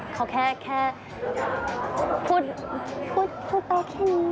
เขาแค่พูดแค่นี้